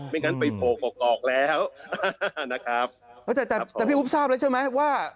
ไม่งั้นไปโปรกกรอกแล้วนะครับแต่แต่แต่พี่อุ๊บทราบแล้วใช่ไหมว่า